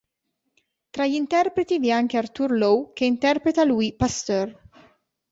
Tra gli interpreti, vi è anche Arthur Lowe che interpreta Louis Pasteur.